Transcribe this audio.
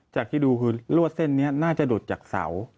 ที่ดูคือรวดเส้นนี้น่าจะดูดจากเสา